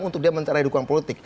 untuk dia mencerai dukungan politik